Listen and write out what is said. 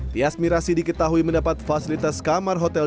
tiasmi rasyi diketahui mendapat fasilitas kamar hotel